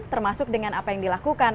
termasuk dengan apa yang dilakukan